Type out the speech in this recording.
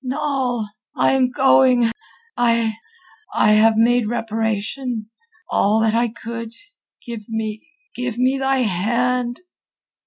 "Noll! I am going! I...I have made reparation... all that I could. Give me... give me thy hand!"